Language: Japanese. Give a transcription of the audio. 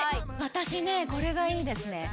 私これがいいですね。